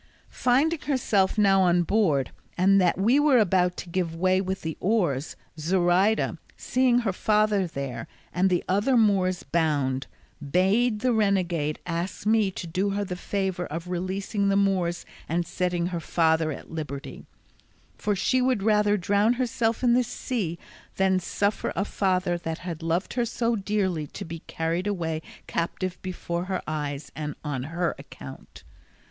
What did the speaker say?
Finding herself now on board, and that we were about to give way with the oars, Zoraida, seeing her father there, and the other Moors bound, bade the renegade ask me to do her the favour of releasing the Moors and setting her father at liberty, for she would rather drown herself in the sea than suffer a father that had loved her so dearly to be carried away captive before her eyes and on her account.